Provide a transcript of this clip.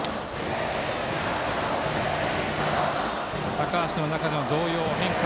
高橋の中での動揺、変化